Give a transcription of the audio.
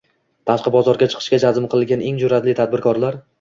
tashqi bozorga chiqishga jazm qilgan eng jur’atli tadbirkorlar